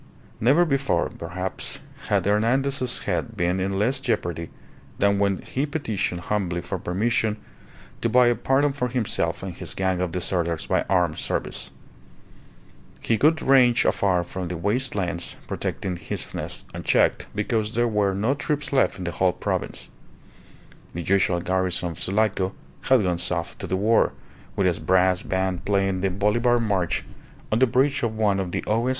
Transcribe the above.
Never before, perhaps, had Hernandez's head been in less jeopardy than when he petitioned humbly for permission to buy a pardon for himself and his gang of deserters by armed service. He could range afar from the waste lands protecting his fastness, unchecked, because there were no troops left in the whole province. The usual garrison of Sulaco had gone south to the war, with its brass band playing the Bolivar march on the bridge of one of the O.S.